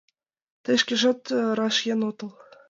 Тый шкежат раш еҥ отыл.